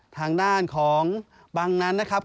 ทางด้านของบังนั้นนะครับ